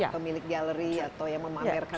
pemilik galeri atau yang memamerkan